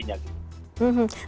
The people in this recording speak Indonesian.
mereka tidak bisa menjaga